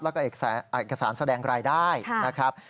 แล้วก็เอกสารแสดงรายได้นะครับ